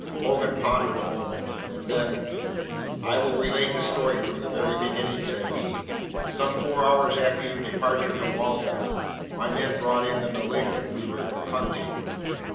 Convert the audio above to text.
Hogan pondered a moment. Then: "I will relate the story from the very beginning," said he. "Some four hours after your departure from Waltham) my men brought in the malignant we were hunting.